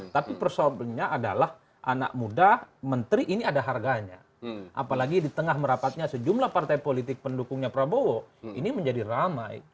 tapi persoalannya adalah anak muda menteri ini ada harganya apalagi di tengah merapatnya sejumlah partai politik pendukungnya prabowo ini menjadi ramai